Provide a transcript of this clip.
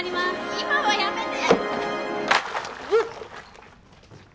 今はやめて！